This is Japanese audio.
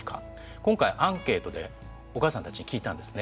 今回アンケートでお母さんたちに聞いたんですね。